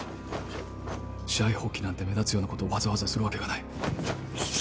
試合放棄なんて目立つようなことをわざわざするわけがない。